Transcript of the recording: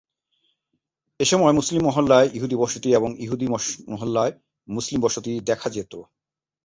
এসময় মুসলিম মহল্লায় ইহুদি বসতি এবং ইহুদি মহল্লায় মুসলিম বসতি দেখা যেত।